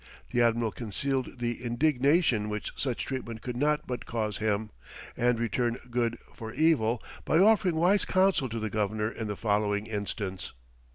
The admiral concealed the indignation which such treatment could not but cause him, and returned good for evil, by offering wise counsel to the governor in the following instance.